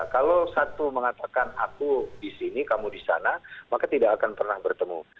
kalau satu mengatakan aku disini kamu disana maka tidak akan pernah bertemu